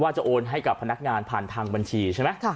จะโอนให้กับพนักงานผ่านทางบัญชีใช่ไหม